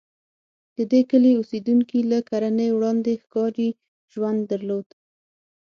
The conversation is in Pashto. د دې کلي اوسېدونکي له کرنې وړاندې ښکاري ژوند درلود.